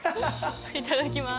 いただきます。